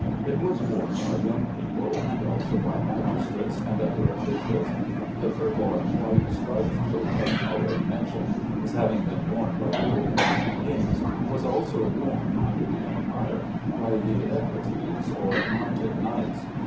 It was worn by young people, and also by magistrates and other officials. The purple and white striped toga, already mentioned as having been worn by the old Roman kings, was also worn, under the Empire, by the "equites," or mounted knights.